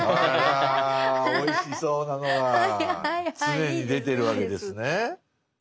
常に出てるわけですね。